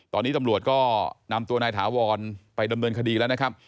ตอนนี้ตำรวจก็นำตัวนายถาวรไปดำเนินคดีแล้วนะครับ